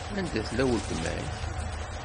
Anda tella weltma-k?